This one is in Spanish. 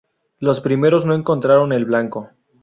Los primeros no encontraron el blanco.